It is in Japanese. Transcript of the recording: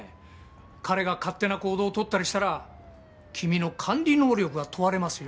彼が勝手な行動を取ったりしたら君の管理能力が問われますよ。